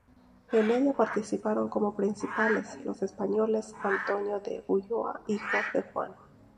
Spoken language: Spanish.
En ella participaron como principales los españoles Antonio de Ulloa y Jorge Juan.